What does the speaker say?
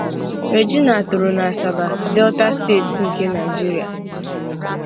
Regina toro na Asaba, Delta State nke Nigeria.